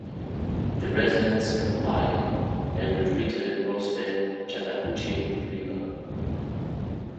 The residents complied and retreated across the Chattahoochee River.